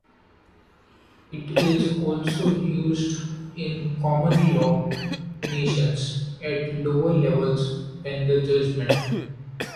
It is also used in common-law nations at lower levels when the judgment